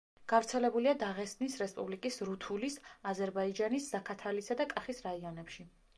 გავრცელებულია დაღესტნის რესპუბლიკის რუთულის, აზერბაიჯანის ზაქათალისა და კახის რაიონებში.